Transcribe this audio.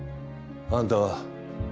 あんたは？